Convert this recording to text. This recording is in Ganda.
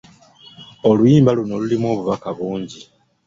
Oluyimba luno lulimu obubaka bungi.